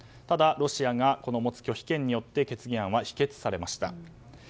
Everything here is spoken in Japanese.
ただ、ロシアがこの持つ拒否権によって決議案は否決されました。